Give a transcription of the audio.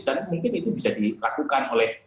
dan mungkin itu bisa dilakukan oleh